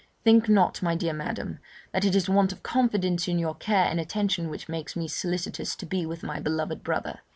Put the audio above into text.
Think not, my dear Madam, that it is want of confidence in your care and attention which makes me solicitous to be with my beloved brother.